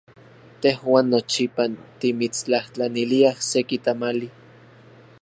Tejuan nochipa timitstlajtlaniliaj seki tamali.